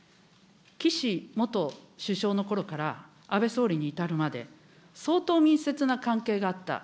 岸元首相のころから安倍総理に至るまで、相当密接な関係があった。